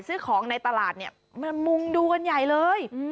ซื้อของในตลาดเนี่ยมามุงดูกันใหญ่เลย